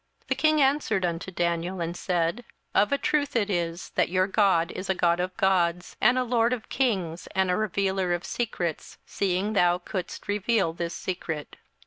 27:002:047 The king answered unto Daniel, and said, Of a truth it is, that your God is a God of gods, and a Lord of kings, and a revealer of secrets, seeing thou couldest reveal this secret.